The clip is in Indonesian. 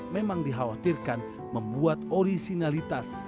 memang dikhawatirkan membuat orisinalitas